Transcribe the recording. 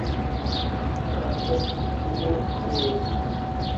— Расчет, тиһеңме? — тине.